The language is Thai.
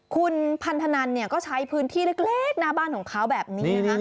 คุณพันธนันเนี่ยก็ใช้พื้นที่เล็กหน้าบ้านของเขาแบบนี้นะคะ